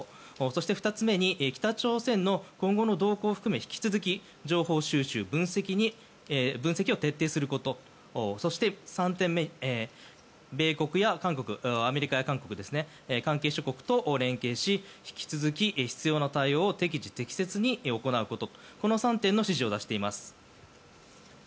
そして、２つ目に北朝鮮の今後の動向を含め引き続き情報収集・分析を徹底することそして３点目米国や韓国関係諸国と連携し引き続き必要な対応を適時適切に行うことこの３点の指示を出しています。